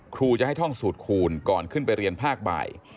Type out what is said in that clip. ครูจะให้ท่องสูตรคูณก่อนขึ้นไปเรียนภาคบ่าย